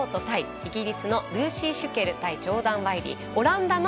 イギリスのルーシー・シュケルジョーダン・ワイリー。